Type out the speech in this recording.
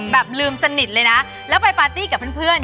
แบบลืมสนิทเลยนะแล้วไปปาร์ตี้กับเพื่อน